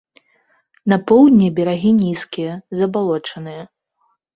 На поўдні берагі нізкія, забалочаныя.